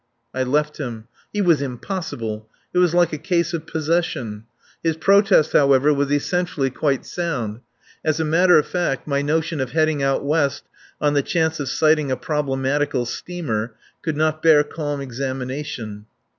I left him. He was impossible. It was like a case of possession. His protest, however, was essentially quite sound. As a matter of fact, my notion of heading out west on the chance of sighting a problematical steamer could not bear calm examination.